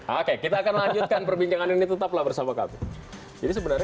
oke kita akan lanjutkan perbincangan ini tetaplah bersama kami